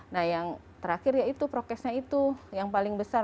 nah yang terakhir ya itu prokesnya itu yang paling besar